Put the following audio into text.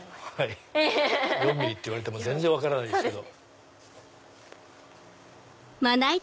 ４ｍｍって言われても全然分からないですけど。